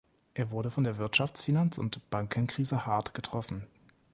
Es wurde von der Wirtschafts-, Finanz- und Bankenkrise hart getroffen.